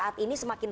mbak titi itu betul